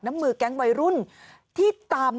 น้ำมือกแก๊งวัยรุ่นที่ตาม